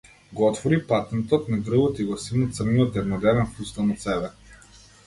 Го отвори патентот на грбот и го симна црниот едноделен фустан од себе.